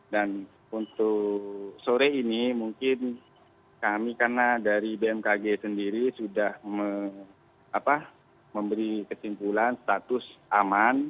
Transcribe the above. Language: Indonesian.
dan untuk sore ini mungkin kami karena dari bmkg sendiri sudah memberi kesimpulan status aman